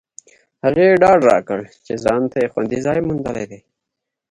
هغې ډاډ راکړ چې ځانته یې خوندي ځای موندلی دی